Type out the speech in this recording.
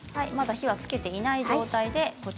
火をつけていない状態ですね。